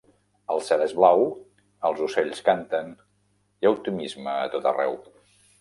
El cel és blau, els ocells canten, hi ha optimisme a tot arreu.